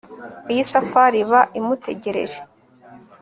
iyi safari iba imutegereje